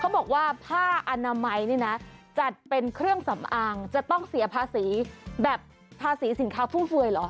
เขาบอกว่าผ้าอนามัยจัดเป็นเครื่องสำอางจะต้องเสียภาษีภาษีสินค้าฟู้เฟ้ยเหรอ